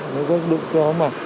nếu có đụng cho không mà